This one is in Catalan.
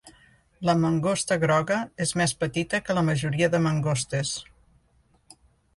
La mangosta groga és més petita que la majoria de mangostes.